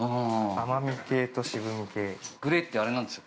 甘み系と渋み系ＧＬＡＹってあれなんですよ